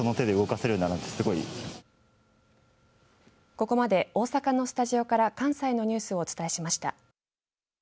ここまで大阪のスタジオから関西のニュースをお伝えしました。